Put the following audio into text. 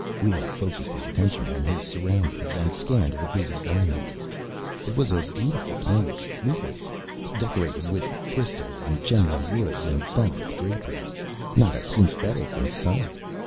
_ Leoh focused his attention on his surroundings and scanned the busy dining room. It was a beautiful place, really; decorated with crystal and genuine woods and fabric draperies. Not a synthetic in sight.